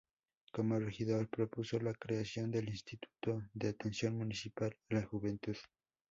Como regidor propuso la creación del Instituto de Atención Municipal a la Juventud.